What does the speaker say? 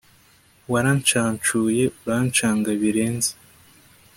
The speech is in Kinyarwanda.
warancacuye urancanga birenze